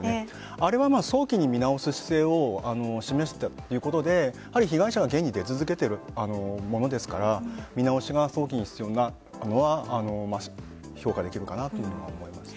あれは、早期に見直す姿勢を示したということで被害者が現に出続けているものですから見直しが早期に必要だったのは評価できるかなと思います。